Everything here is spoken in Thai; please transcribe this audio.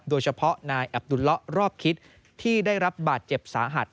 โดยเฉพาะนายอับดุลละรอบคิดที่ได้รับบาดเจ็บสาหัส